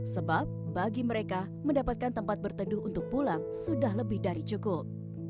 sebab bagi mereka mendapatkan tempat berteduh untuk pulang sudah lebih dari cukup